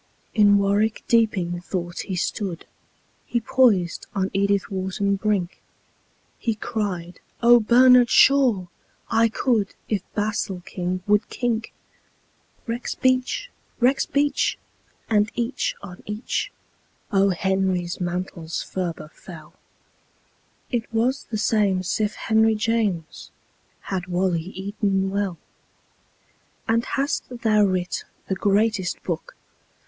In warwick deeping thought he stood He poised on edithwharton brink; He cried, "Ohbernardshaw! I could If basilking would kink." Rexbeach! rexbeach! and each on each O. Henry's mantles ferber fell. It was the same'sif henryjames Had wally eaton well. "And hast thou writ the greatest book?